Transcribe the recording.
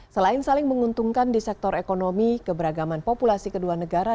selain saling menguntungkan di sektor ekonomi keberagaman populasi kedua negara